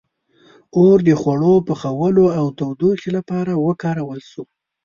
• اور د خوړو پخولو او تودوخې لپاره وکارول شو.